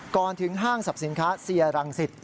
ก่อนถึงห้างศัพท์สินค้าเซียรังสิทธิ์